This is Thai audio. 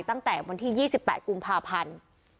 ตั้งแต่วันที่๒๘กุมภาพันธ์